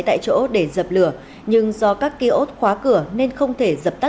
tại chỗ để dập lửa nhưng do các ký ốt khóa cửa nên không thể dập tạp